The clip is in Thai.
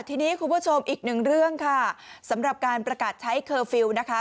ทีนี้คุณผู้ชมอีกหนึ่งเรื่องค่ะสำหรับการประกาศใช้เคอร์ฟิลล์นะคะ